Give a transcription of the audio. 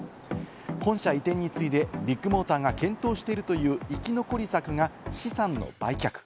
本社移転に次いで、ビッグモーターが検討しているという生き残り策が資産の売却。